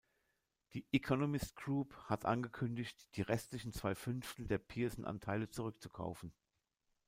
Die Economist Group hat angekündigt, die restlichen zwei Fünftel der Pearson-Anteile zurückzukaufen.